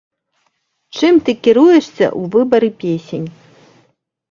Чым ты кіруешся ў выбары песень?